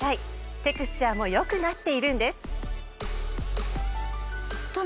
テクスチャーも良くなっているんです。